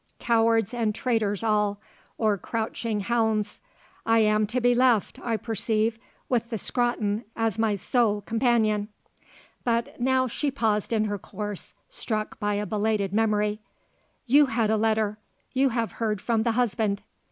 Cowards and traitors all, or crouching hounds. I am to be left, I perceive, with the Scrotton as my sole companion." But now she paused in her course, struck by a belated memory. "You had a letter. You have heard from the husband."